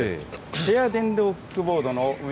シェア電動キックボードの運営